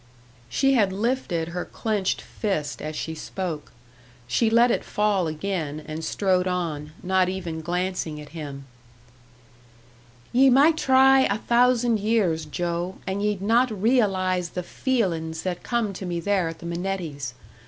She had lifted her clenched fist as she spoke. She let it fall again, and strode on, not even glancing at him. "Ye might try a thousand years, Joe, and ye'd not realise the feelin's that come to me there at the Minettis'.